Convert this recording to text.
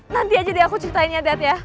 nanti aja deh aku ceritainnya dead ya